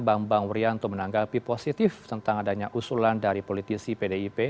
bambang wuryanto menanggapi positif tentang adanya usulan dari politisi pdip